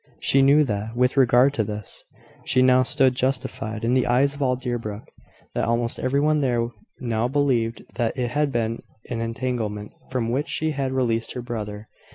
She knew that, with regard to this, she now stood justified in the eyes of all Deerbrook, that almost everyone there now believed that it had been an entanglement from which she had released her brother.